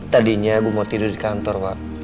tadinya gue mau tidur di kantor